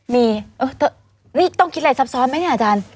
มีนี่ต้องคิดอะไรซับซ้อนไหมเนี่ยอาจารย์